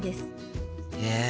へえ。